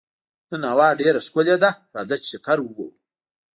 نن هوا ډېره ښکلې ده، راځه چې چکر ووهو.